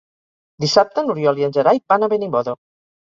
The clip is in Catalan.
Dissabte n'Oriol i en Gerai van a Benimodo.